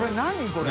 これ。